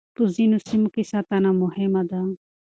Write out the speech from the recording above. په ځينو سيمو کې ساتنه مهمه ده.